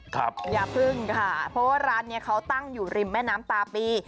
อย่าพึ่งค่ะเพราะว่าร้านนี้เขาตั้งอยู่ริมแม่น้ำตาปี